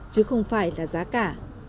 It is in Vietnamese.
chứ không phải là giá cả